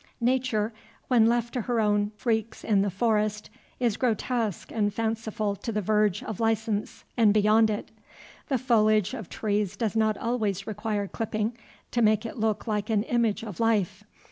Nature, when left to her own freaks in the forest, is grotesque and fanciful to the verge of license, and beyond it. The foliage of trees does not always require clipping to make it look like an image of life.